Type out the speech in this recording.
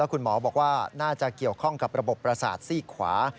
คุณหมอบอกว่าน่าจะเกี่ยวข้องกับระบบประสาทซีกขวา